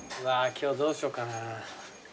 今日どうしようかな。